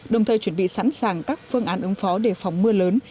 đồng thời chuẩn bị sẵn sàng các phương án ứng phó để phòng mưa lớn